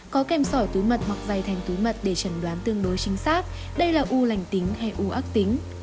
có kem sỏi túi mật hoặc dày thành túi mật để chẩn đoán tương đối chính xác đây là u lành tính hay u ác tính